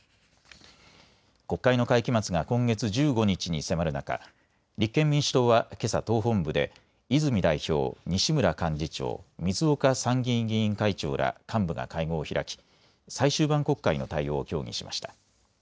国会の会期末が今月１５日に迫る中、立憲民主党はけさ党本部で泉代表、西村幹事長、水岡参議院議員会長ら幹部が会合を開き最終盤国会の対応を協議しました。